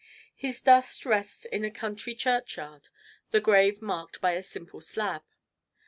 His dust rests in a country churchyard, the grave marked by a simple slab.